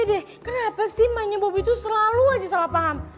sisi bete deh kenapa sih emangnya bobby tuh selalu aja salah paham